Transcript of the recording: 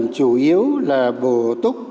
chủ yếu là bổ túc